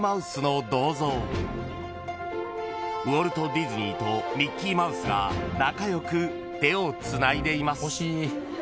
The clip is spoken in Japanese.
［ウォルト・ディズニーとミッキーマウスが仲良く手をつないでいます］